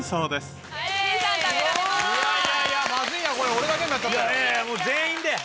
俺だけになっちゃったよ。